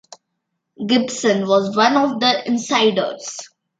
Gibson was one of the insiders.